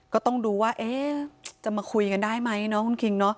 ก็ต้องดูว่าจะมาคุยกันได้ไหมเนาะคุณคิงเนาะ